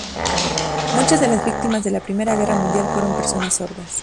Muchas de las víctimas de la I Guerra Mundial fueron personas sordas.